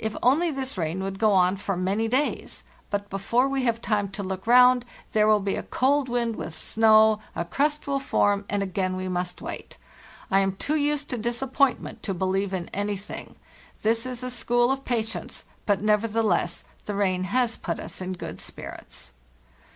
If only this rain would go on for he 20 306 FARTHEST NORTH many days! But before we have time to look round there will be a cold wind with snow,a crust will form, and again we must wait. I am too used to disappointment to believe inanything. This is a school of patience; but neverthe less the rain has put us in good spirits.